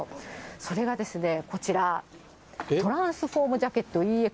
それがですね、こちら、トランスフォームジャケットＥＸ。